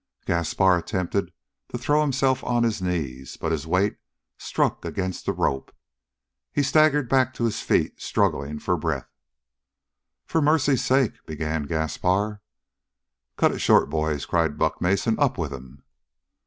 Gaspar attempted to throw himself on his knees, but his weight struck against the rope. He staggered back to his feet, struggling for breath. "For mercy's sake " began Gaspar. "Cut it short, boys!" cried Buck Mason. "Up with him!"